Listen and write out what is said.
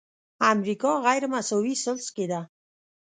امریکا غیرمساوي ثلث کې ده.